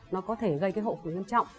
nó có thể gây cái hộ khủy nghiêm trọng